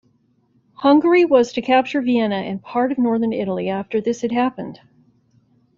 Hungary was to capture Vienna and part of northern Italy after this had happened.